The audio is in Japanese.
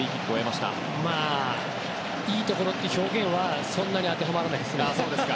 まあ、いいところって表現はそんなに当てはまらないですね。